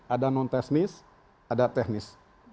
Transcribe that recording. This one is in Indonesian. ada non teknis ada teknis